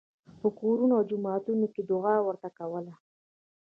په کورونو او جوماتونو کې یې دعا ورته کوله.